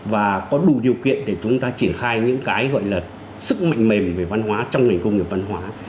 và có đủ điều kiện để chúng ta triển khai những cái gọi là sức mạnh mềm về văn hóa trong ngành công nghiệp văn hóa